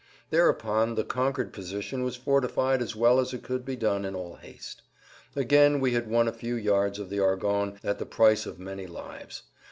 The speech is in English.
Thereupon the conquered position was fortified as well as it could be done in all haste. Again we had won a few yards of the Argonnes at the price of many lives.